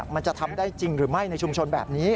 มันจะทำได้จริงหรือไม่ในชุมชนแบบนี้